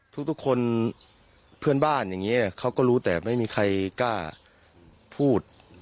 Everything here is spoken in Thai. ทุกคนเพื่อนบ้านอย่างนี้เขาก็รู้แต่ไม่มีใครกล้าพูด